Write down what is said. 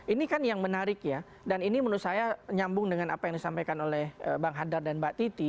ini kan yang menarik ya dan ini menurut saya nyambung dengan apa yang disampaikan oleh bang hadar dan mbak titi